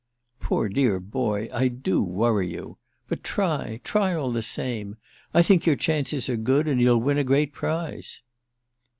"Poor dear boy, I do worry you! But try, try, all the same. I think your chances are good and you'll win a great prize."